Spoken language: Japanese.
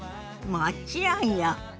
もちろんよ。